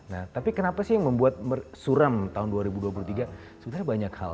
nah tapi kenapa sih yang membuat suram tahun dua ribu dua puluh tiga sudah banyak hal